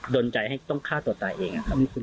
ดนใจให้ต้องฆ่าตัวตายเอง